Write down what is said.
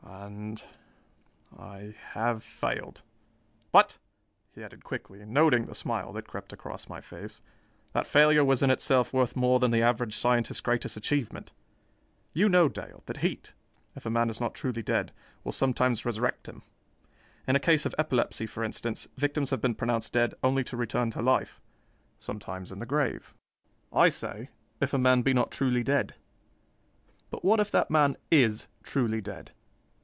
And ... I have failed! "But," he added quickly, noting the smile that crept across my face, "that failure was in itself worth more than the average scientist's greatest achievement! You know, Dale, that heat, if a man is not truly dead, will sometimes resurrect him. In a case of epilepsy, for instance, victims have been pronounced dead only to return to life sometimes in the grave. "I say 'if a man be not truly dead.' But what if that man is truly dead?